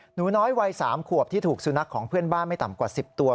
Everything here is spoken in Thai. หนูน้อยวัย๓ขวบที่ถูกสุนัขของเพื่อนบ้านไม่ต่ำกว่า๑๐ตัว